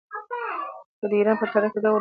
د ایران په تاریخ کې دغه دوره د ماتې دوره وه.